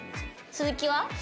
鈴木は？